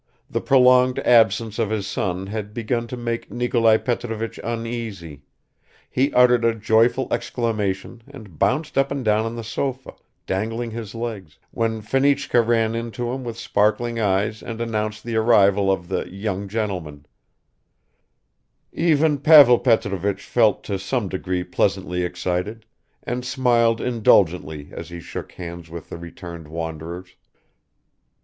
The prolonged absence of his son had begun to make Nikolai Petrovich uneasy; he uttered a joyful exclamation and bounced up and down on the sofa, dangling his legs, when Fenichka ran in to him with sparkling eyes and announced the arrival of the "young gentlemen"; even Pavel Petrovich felt to some degree pleasantly excited, and smiled indulgently as he shook hands with the returned wanderers.